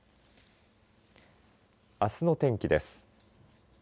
あすの天気です。